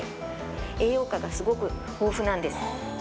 栄養価がすごく豊富なんです。